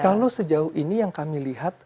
kalau sejauh ini yang kami lihat